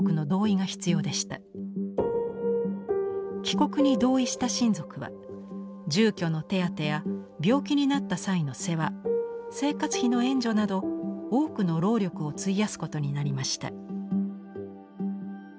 帰国に同意した親族は住居の手当てや病気になった際の世話生活費の援助など多くの労力を費やすことになりました。